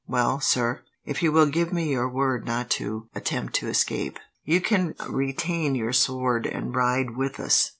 Well, sir, if you will give me your word not to attempt to escape, you can retain your sword, and ride with us."